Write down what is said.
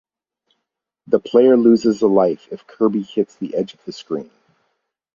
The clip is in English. The player loses a life if Kirby hits the edge of the screen.